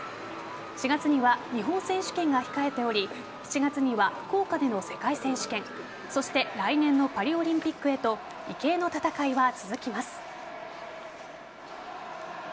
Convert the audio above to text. ４月には日本選手権が控えており７月には福岡での世界選手権そして来年のパリオリンピックへと池江の戦いは続きます。